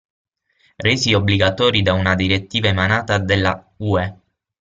Resi obbligatori da una direttiva emanata della UE.